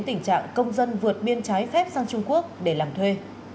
tình trạng công dân vượt biên trái phép sang trung quốc để làm thuê